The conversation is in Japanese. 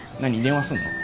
電話すんの？